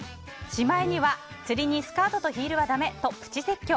しまいには釣りにスカートとヒールはだめと口説教。